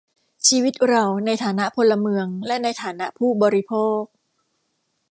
ชีวิตเราในฐานะพลเมืองและในฐานะผู้บริโภค